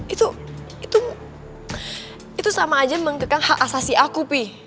itu itu itu sama aja menggagang hak asasi aku pi